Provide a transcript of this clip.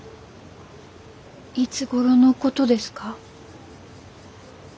いつごろのことですか？